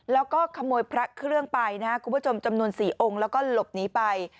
แล้วก็ขโมยพระเครื่องไปนะครับคุณผู้ชมจำนวน๔องค์แล้วก็หลบหนีไป